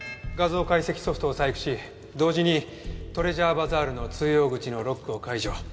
画像解析ソフトを細工し同時にトレジャーバザールの通用口のロックを解除。